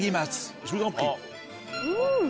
うん！